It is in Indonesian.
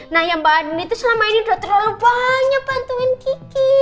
nah mbak andin selama ini sudah terlalu banyak bantuin gigi